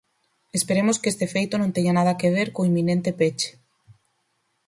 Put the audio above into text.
Esperemos que este feito non teña nada que ver co inminente peche.